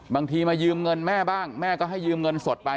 บางทีมายืมเงินแม่บ้างแม่ก็ให้ยืมเงินสดไป